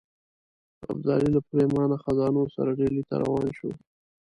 ابدالي له پرېمانه خزانو سره ډهلي ته روان شو.